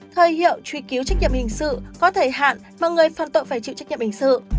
thời hiệu truy cứu trách nhiệm hình sự có thời hạn mà người phạm tội phải chịu trách nhiệm hình sự